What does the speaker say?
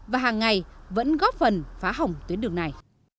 và hàng ngày vẫn góp phần phá hỏng tuyến đường này